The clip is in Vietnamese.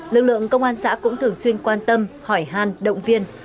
lực lượng công an xã cũng thường xuyên quan tâm hỏi hàn động viên